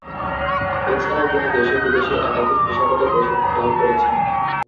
এছাড়াও তিনি দেশে-বিদেশে একাধিক পেশাগত প্রশিক্ষণ লাভ করেছেন।